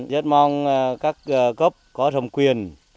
rất mong các cấp có thầm quyền